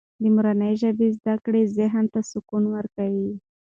د مورنۍ ژبې زده کړه ذهن ته سکون ورکوي.